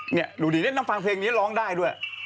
เหนี่ยดูดีนะแล้วเล่นน้ำฟังเพลงนี้มันร้องได้ด้วย